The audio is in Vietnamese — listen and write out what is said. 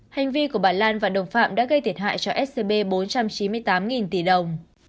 hành vi của bà lan và đồng phạm đã gây thiệt hại cho scb bốn trăm chín mươi tám tỷ đồng